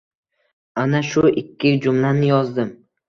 Ana shu ikki jumlani yozdim.